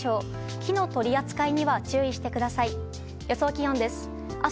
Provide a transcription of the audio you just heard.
火の取り扱いには注意してください。